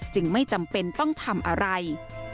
ไม่จำเป็นต้องทำอะไร